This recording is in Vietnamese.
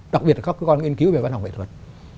đặc biệt là các cơ quan nghiên cứu về văn học nghệ thuật